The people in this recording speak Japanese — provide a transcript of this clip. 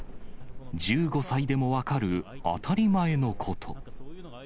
１５歳でも分かる当たり前のこと。